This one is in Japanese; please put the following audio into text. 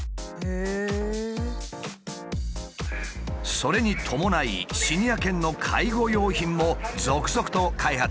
それに伴いシニア犬の介護用品も続々と開発されている。